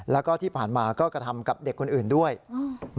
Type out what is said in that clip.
แล้วก็ที่ผ่านมาก็กระทำกับเด็กคนอื่นด้วยอืม